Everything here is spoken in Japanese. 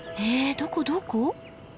どこどこ？